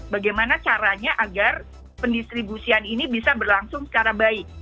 bagaimana caranya agar pendistribusian ini bisa berlangsung secara baik